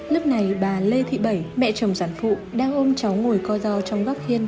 lớp này bà lê thị bảy mẹ chồng sản phụ đang ôm cháu ngồi co do trong góc hiên